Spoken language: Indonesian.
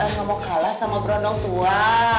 ngomong kalah sama berondong tua